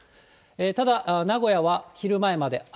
ただ、名古屋は昼前まで雨。